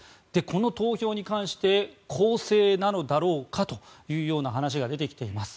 この投票に関して公正なのだろうかという話が出てきています。